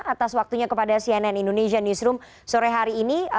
atas waktunya kepada cnn indonesia newsroom sore hari ini